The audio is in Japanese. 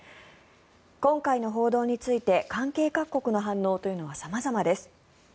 今回の報道について関係各国の反応というのは様々です。